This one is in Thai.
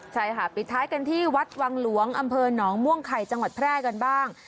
ใช่ค่ะปิดท้ายกันที่วัดวังหลวงอำเภอหนองม่วงไข่จังหวัดแพร่กันบ้าง